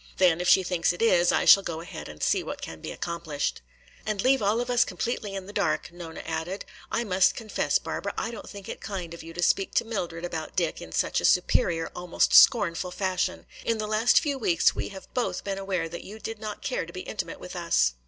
Then if she thinks it is, I shall go ahead and see what can be accomplished." "And leave all of us completely in the dark," Nona added. "I must confess, Barbara, I don't think it kind of you to speak to Mildred about Dick in such a superior, almost scornful, fashion. In the last few weeks we have both been aware that you did not care to be intimate with us.